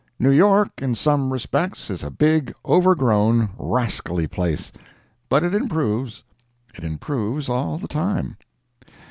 New York, in some respects, is a big, overgrown, rascally place; but it improves—it improves all the time.